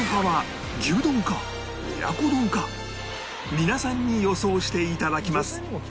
皆さんに予想して頂きます